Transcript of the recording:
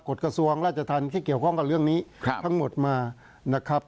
กระทรวงราชธรรมที่เกี่ยวข้องกับเรื่องนี้ทั้งหมดมานะครับ